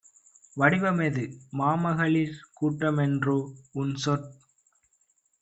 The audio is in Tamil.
வடிவமெது? மாமகளிர் கூட்டமன்றோ? உன்சொற்